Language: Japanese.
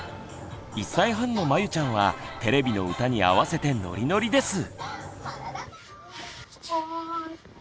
１歳半のまゆちゃんはテレビの歌に合わせてノリノリです！